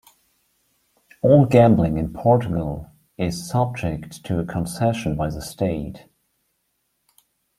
All gambling in Portugal is subject to a concession by the State.